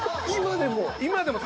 今でも？